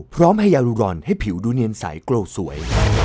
พร้อมให้ยารูรอนให้ผิวดูเนียนใสโกรธสวย